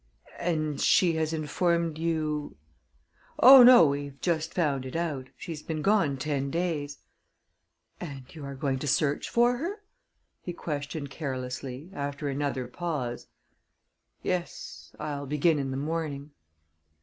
"And she has informed you " "Oh, no; we've just found it out. She's been gone ten days." "And you are going to search for her?" he questioned carelessly, after another pause. "Yes I'll begin in the morning."